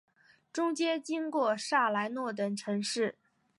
中间经过萨莱诺等城市。